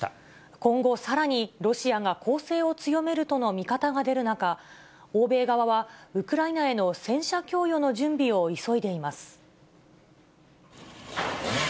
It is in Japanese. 今後、さらにロシアが攻勢を強めるとの見方が出る中、欧米側は、ウクライナへの戦車供与の準備を急いでいます。